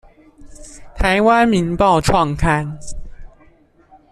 臺灣民報創刊